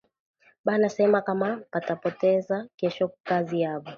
Bana sema kama batabapokeza kesho kukazi yabo